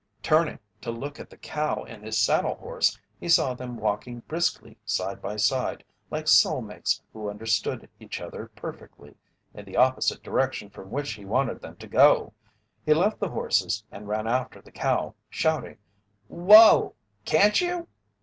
Turning to look at the cow and his saddle horse, he saw them walking briskly, side by side, like soul mates who understood each other perfectly, in the opposite direction from which he wanted them to go. He left the horses and ran after the cow, shouting: "Whoa can't you?"